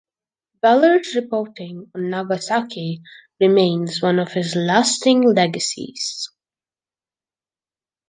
Weller's reporting on Nagasaki remains one of his lasting legacies.